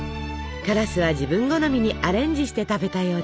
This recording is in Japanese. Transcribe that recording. カラスは自分好みにアレンジして食べたようです。